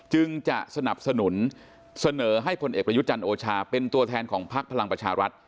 จึงจะสนับสนุนเสนอให้พลเอกประยุทธ์จันทร์โอชาเป็นตัวแทนของพักพลังประชารัฐ